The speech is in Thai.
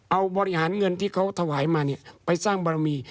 เอาบริหารเงินที่เขาถวายมาเนี่ยไปสร้างบารมี